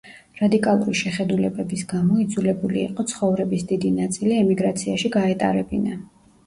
რადიკალური შეხედულებების გამო იძულებული იყო ცხოვრების დიდი ნაწილი ემიგრაციაში გაეტარებინა.